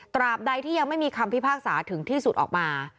ตราบใดที่ยังไม่มีคำพิพากษาถึงที่สุดออกมา